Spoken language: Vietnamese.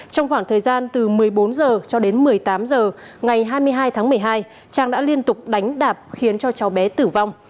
trong khoảng thời gian từ một mươi bốn h cho đến một mươi tám h ngày hai mươi hai tháng một mươi hai trang đã liên tục đánh đạp khiến cho cháu bé tử vong